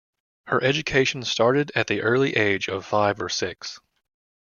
Her education started at the early age of five or six.